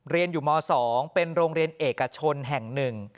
เรียนอยู่ม๒เป็นโรงเรียนเอกชนแห่งหนึ่ง